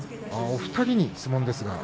お二人に質問です。